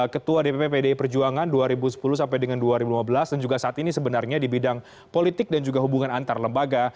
ketua dpp pdi perjuangan dua ribu sepuluh sampai dengan dua ribu lima belas dan juga saat ini sebenarnya di bidang politik dan juga hubungan antar lembaga